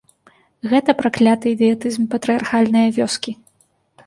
Гэта пракляты ідыятызм патрыярхальнае вёскі.